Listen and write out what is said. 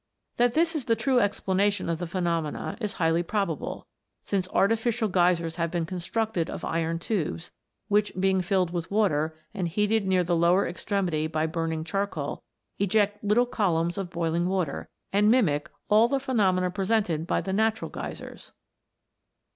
That this is the true explanation of the pheno mena is highly probable, since artificial Geysers have been constructed of iron tubes, which being filled with water, and heated near the lower extremity by burning charcoal, eject little columns of boiling water, and mimic all the phenomena presented by the natural Geysers.